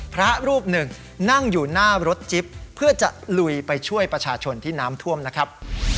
พระรูปหนึ่งนั่งอยู่หน้ารถจิ๊บเพื่อจะลุยไปช่วยประชาชนที่น้ำท่วมนะครับ